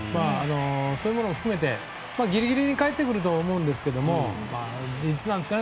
そういうものも含めてギリギリに帰ってくると思うんですがいつなんですかね。